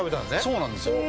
そうなんですよ。